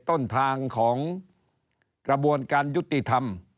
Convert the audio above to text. ต้นทางของกระบวนการยุติธรรม